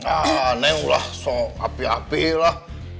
ah neng lah so api api lah